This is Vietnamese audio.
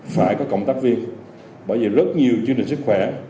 phải có cộng tác viên bởi vì rất nhiều chương trình sức khỏe